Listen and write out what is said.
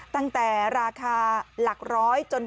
ตั้งแต่ราคาหลักร้อยจน